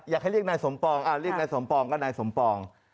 อยากให้เรียกนายสมปองเรียกนายสมปองก็นายสมปอง